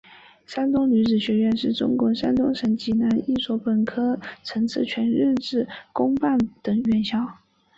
山东女子学院是中国山东省济南市的一所本科层次全日制公办高等院校。